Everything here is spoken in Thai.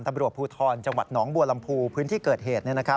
ตำรวจภูทรจังหวัดหนองบัวลำพูพื้นที่เกิดเหตุ